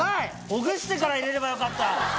ほぐしてから入れればよかった。